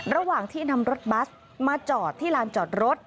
ระหว่างที่นำรถบัสมาจอดที่ลานจอดรถ